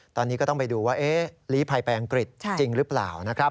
ตอนนี้ก็ต้องไปดูว่าลีภัยไปอังกฤษจริงหรือเปล่านะครับ